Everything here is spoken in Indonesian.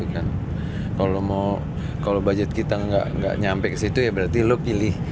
kalau budget kita ga sampai ke situ ya berarti lo pilih